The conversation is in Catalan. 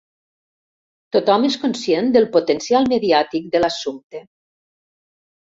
Tothom és conscient del potencial mediàtic de l'assumpte.